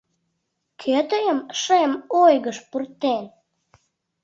Кӧ тыйым шем ойгыш пуртен?